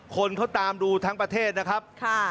คนเขาตามดูทั้งประเทศนะครับ